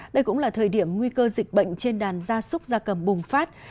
đây cũng là thời điểm nguy cơ dịch bệnh trên đàn da súc da cầm bùng phát